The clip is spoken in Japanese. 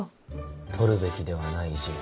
取るべきではない陣。